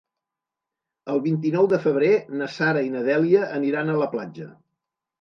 El vint-i-nou de febrer na Sara i na Dèlia aniran a la platja.